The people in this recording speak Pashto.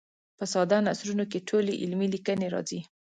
په ساده نثرونو کې ټولې علمي لیکنې راځي.